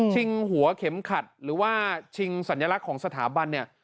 หัวเข็มขัดหรือว่าชิงสัญลักษณ์ของสถาบันเนี่ย